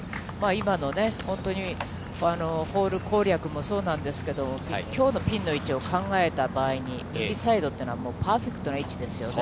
今の本当に、ホール攻略もそうなんですけど、きょうのピンの位置を考えた場合に、右サイドっていうのはパーフェクトな位置ですよね。